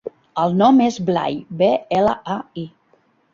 El nom és Blai: be, ela, a, i.